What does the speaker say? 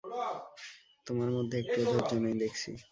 তোমার মধ্যে একটুও ধৈর্য নেই দেখছি।